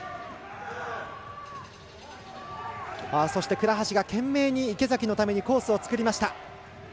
倉橋が懸命に池崎のためにコースを作った。